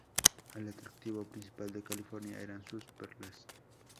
El atractivo principal de California eran sus perlas.